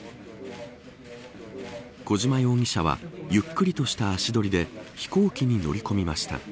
小島容疑者はゆっくりとした足取りで飛行機に乗り込みました。